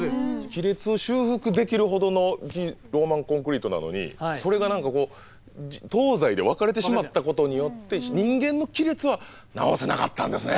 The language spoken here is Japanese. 亀裂を修復できるほどのローマンコンクリートなのにそれが何か東西で分かれてしまったことによって人間の亀裂は直せなかったんですね